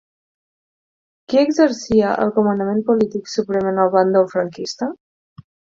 Qui exercia el comandament polític suprem en el bàndol franquista?